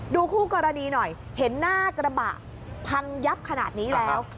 คู่กรณีหน่อยเห็นหน้ากระบะพังยับขนาดนี้แล้ว